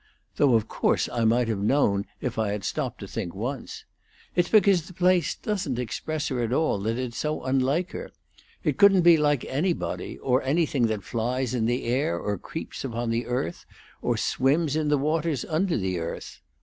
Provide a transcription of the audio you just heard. Though of course I might have known if I had stopped to think once. It's because the place doesn't express her at all that it's so unlike her. It couldn't be like anybody, or anything that flies in the air, or creeps upon the earth, or swims in the waters under the earth.